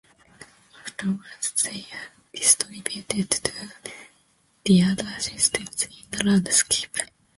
Afterwards they are distributed to the other systems in the landscape.